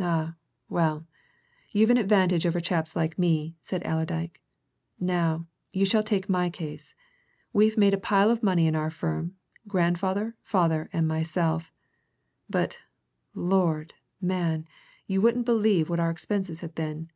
"Ah, well, you've an advantage over chaps like me," said Allerdyke. "Now, you shall take my case. We've made a pile of money in our firm, grandfather, father, and myself; but, Lord, man, you wouldn't believe what our expenses have been!